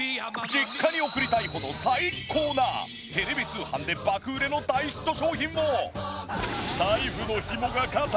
実家に送りたいほど最高なテレビ通販で爆売れの大ヒット商品を。